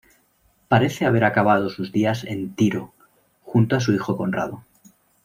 Parece haber acabado sus días en Tiro, junto a su hijo Conrado.